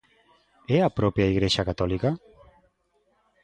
¿É a propia Igrexa católica?